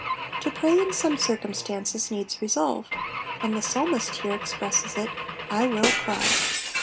To pray in some circumstances needs resolve, and the psalmist here expresses it, *'/ will cry.''